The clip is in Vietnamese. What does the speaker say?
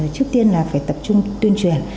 trước tiên là phải tập trung tuyên truyền